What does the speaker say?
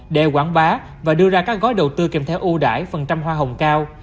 đeo quảng bá và đưa ra các gói đầu tư kiểm theo ưu đại phần trăm hoa hồng cao